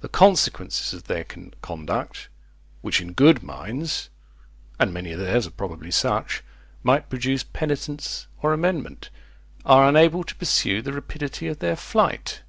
The consequences of their conduct, which in good minds, (and many of theirs are probably such,) might produce penitence or amendment, are unable to pursue the rapidity of their flight.